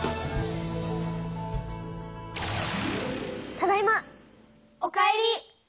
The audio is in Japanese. ただいま！お帰り！